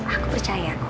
aku percaya kum